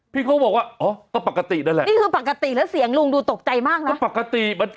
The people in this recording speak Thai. พี่เขาบอกว่าอ๋อก็ปกตินั่นแหละนี่คือปกติแล้วเสียงลุงดูตกใจมากนะ